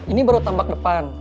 ini baru tambak depan